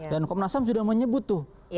dan komnas ham sudah menyebut tuh